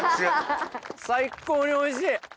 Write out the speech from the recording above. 最高においしい！